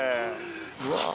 うわ。